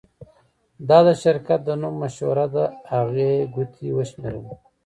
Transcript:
دا د شرکت د نوم مشوره ده هغې ګوتې وشمیرلې